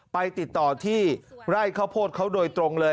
ไปติดต่อที่ไร่ข้าวโพดเขาโดยตรงเลย